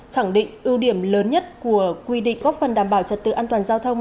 khẳng định ưu điểm lớn nhất của quy định góp phần đảm bảo trật tự an toàn giao thông